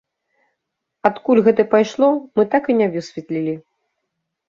Адкуль гэта пайшло, мы так і не высветлілі.